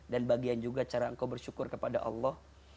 bagian juga cara engkau bersyukur kepada allah